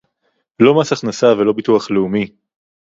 לא מס הכנסה ולא ביטוח לאומי